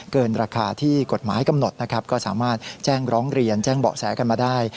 เกินราคาที่กฎหมายกำหนดนะครับก็สามารถแจ้งร้องเรียนแจ้งเบาะแสกันมาได้